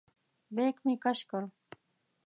بیک مې کش کړ.